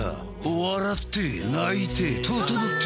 ［笑って泣いてととのって］